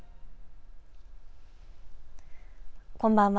こんばんは。